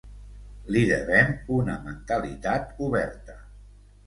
Li devem una mentalitat oberta.